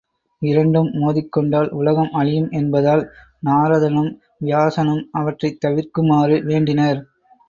இரண்டும் மோதிக்கொண்டால் உலகம் அழியும் என்பதால் நாரதனும் வியாசனும் அவற்றைத் தவிர்க்குமாறு வேண்டினர்.